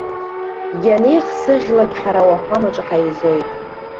Ианеихсыӷьлак ҳара ауахәамаҿы ҳаизоит.